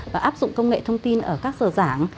và áp dụng công nghệ thông tin ở các giờ giảng